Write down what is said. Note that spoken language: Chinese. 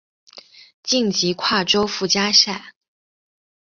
晋级跨洲附加赛。